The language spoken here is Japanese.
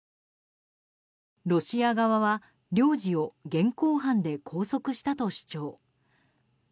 ロシア側は、領事を現行犯で拘束したと主張。